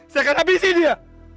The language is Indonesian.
saya akan habisi dia